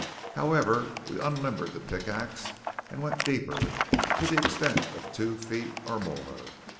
However, we unlimbered the pickaxe and went deeper; to the extent of two feet or more.